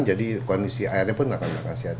jadi kondisi airnya pun akan akan sehat